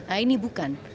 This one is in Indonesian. nah ini bukan